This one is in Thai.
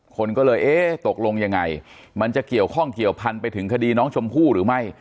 คนก็เลยเอ๊ะตกลงยังไงมันจะเกี่ยวข้องเกี่ยวพันไปถึงคดีน้องชมพู่หรือไม่